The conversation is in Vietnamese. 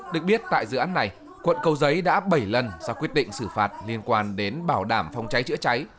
được biết tại dự án này quận cầu giấy đã bảy lần ra quyết định xử phạt liên quan đến bảo đảm phòng cháy chữa cháy